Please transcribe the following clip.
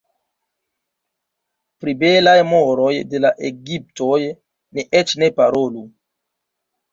Pri belaj moroj de la egiptoj ni eĉ ne parolu.